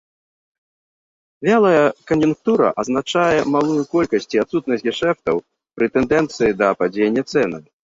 Вялая кан'юнктура азначае малую колькасць ці адсутнасць гешэфтаў пры тэндэнцыі да падзення цэнаў.